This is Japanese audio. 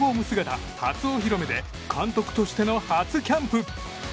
姿初お披露目で監督しての初キャンプ。